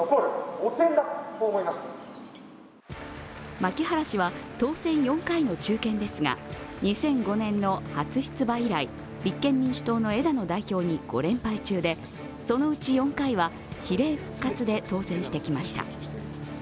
牧原氏は当選４回の中堅ですが２００５年の初出馬以来、立憲民主党の枝野代表に５連敗中でそのうち４回は比例復活で当選してきました。